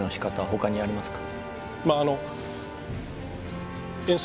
他にありますか？